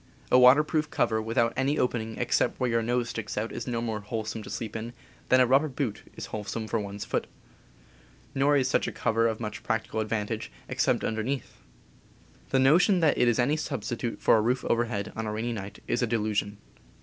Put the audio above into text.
A water proof cover without any opening except where your nose sticks out is no more wholesome to sleep in than a rubber boot is wholesome for one's foot. Nor is such a cover of much practical advantage, except underneath. The notion that it is any substitute for a roof overhead, on a rainy night, is a delusion.